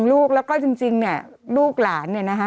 ลูกแล้วก็จริงเนี่ยลูกหลานเนี่ยนะคะ